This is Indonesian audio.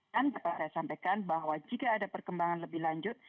dan dapat saya sampaikan bahwa jika ada perkembangan lebih lanjut